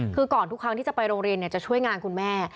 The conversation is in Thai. คือก่อนทุกครั้งที่จะไปโรงเรียนจะช่วยงานคุณแม่